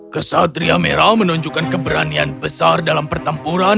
kesatria merah menunjukkan keberanian besar dalam pertempuran